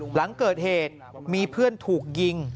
หลังเกิดเหตุมีเพื่อนถูกยิง